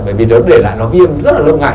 bởi vì đớn để lại nó viêm rất là lâu ngày